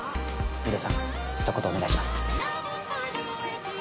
ミレイさんひと言お願いします。